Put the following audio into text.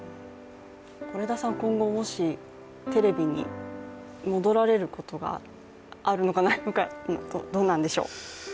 是枝さん、今後もしテレビに戻られることがあるのか、ないのか、どうなんでしょう。